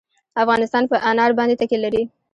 افغانستان په انار باندې تکیه لري.